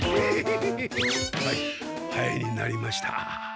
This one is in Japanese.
はいハエになりました。